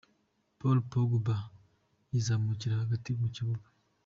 Paul Pogba yizamukira hagati mu kibuga.